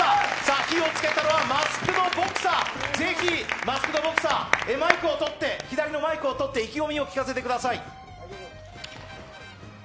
火をつけたのはマスク・ド・ボクサーぜひマスク・ド・ボクサー、マイクをとって意気込みを聞かせてください。